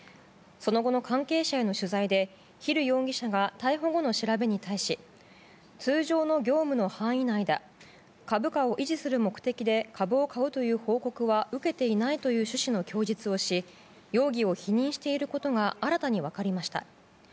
その後の関係者への取材でヒル容疑者が逮捕後の調べに対し通常の業務の範囲内だ株価を維持する目的で株を買うという報告は受けていないという趣旨の供述をし容疑を否認していることが新たに分かりました。